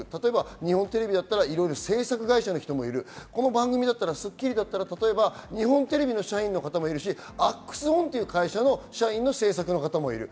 日本テレビだったら制作会社の人もいます、『スッキリ』だったら日本テレビの社員の方もいるし、ＡＸＯＮという会社の社員の制作の方もいます。